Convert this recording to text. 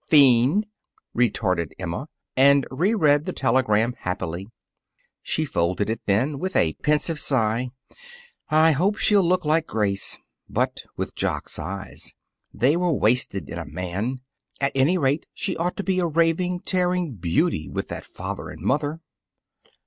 "Fiend!" retorted Emma, and reread the telegram happily. She folded it then, with a pensive sigh, "I hope she'll look like Grace. But with Jock's eyes. They were wasted in a man. At any rate, she ought to be a raving, tearing beauty with that father and mother."